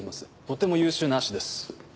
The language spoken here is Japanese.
とても優秀な足です。